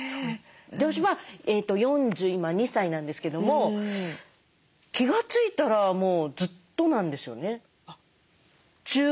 私は４２歳なんですけども気が付いたらもうずっとなんですよね。